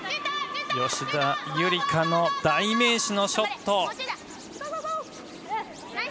吉田夕梨花の代名詞のショット。